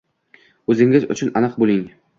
O'zingiz uchun aniq bo'ling